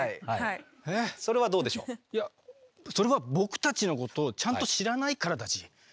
それは僕たちのことをちゃんと知らないからだＧ。